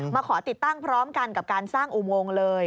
ขอติดตั้งพร้อมกันกับการสร้างอุโมงเลย